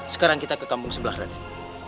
sekarang kita ke kampung sebelah radit